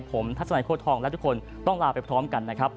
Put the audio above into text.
ผมทัศนัยโค้ทองและทุกคนต้องลาไปพร้อมกันนะครับ